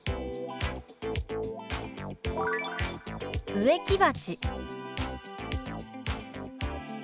「植木鉢」。